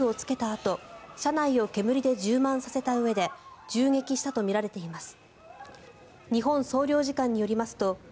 あと車内を煙で充満させたうえで銃撃したとみられています。